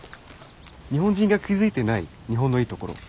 日本人が気付いてない日本のいいところ。